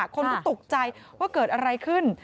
คนก็ตกใจว่าเกิดอะไรขึ้น